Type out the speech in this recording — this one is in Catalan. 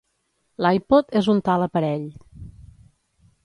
L'iPod és un tal aparell.